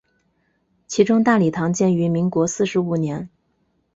其中大礼堂建于民国四十五年。